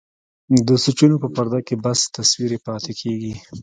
د سوچونو په پرده کې بس تصوير يې پاتې کيږي.